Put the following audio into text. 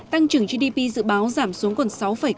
tăng trưởng gdp dự báo giảm xuống còn sáu tám